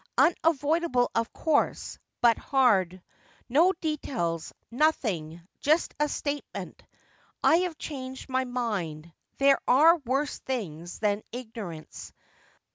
Unavoidable of course, but hard. No details — nothing — just a state ment. I have changed my mind : there are worse things than ignorance.